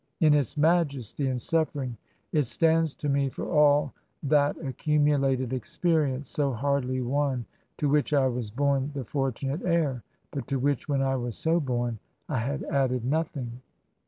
In its majesty and suffering it stands to me for all that accumulated experi ence — so hardly won — ^to which I was bom the fortu nate Heir, but to which when I was so bom I had added nothing."